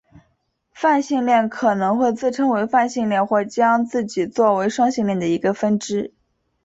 泛性恋可能会自称为泛性恋或将自己做为双性恋的一个分支。